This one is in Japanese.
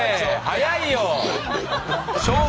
早いよ！